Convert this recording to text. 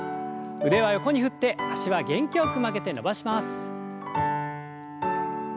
腕は横に振って脚は元気よく曲げて伸ばします。